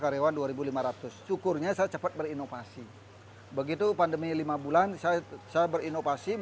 karyawan dua ribu lima ratus syukurnya saya cepat berinovasi begitu pandemi lima bulan saya saya berinovasi